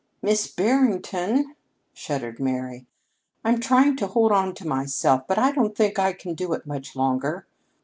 "Miss Barrington," shuddered Mary, "I'm trying to hold on to myself, but I don't think I can do it much longer.